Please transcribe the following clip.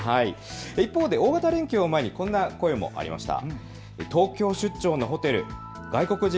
一方で大型連休を前にこんな声もありました。